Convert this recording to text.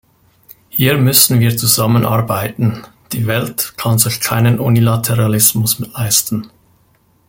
Hier müssen wir zusammenarbeiten, die Welt kann sich keinen Unilateralismus leisten.